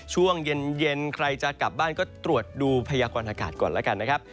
ช่วงเย็นใครจะกลับบ้านก็ตรวจดูพยากรณากาศก่อนแล้วกันนะครับ